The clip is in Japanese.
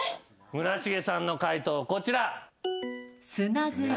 村重さんの解答こちら。